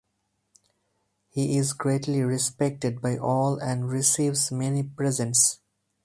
He is greatly respected by all and receives many presents.